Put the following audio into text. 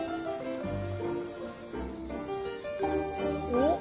おっ！